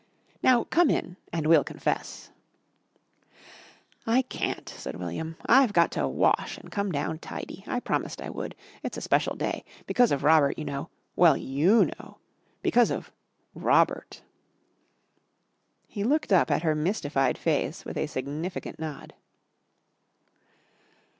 "Now come in and we'll confess." "I can't," said William. "I've got to wash an' come down tidy. I promised I would. It's a special day. Because of Robert, you know. Well you know. Because of Robert!" He looked up at her mystified face with a significant nod.